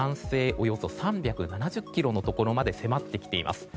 およそ３７０ｋｍのところまで迫ってきています。